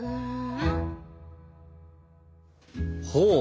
ほう。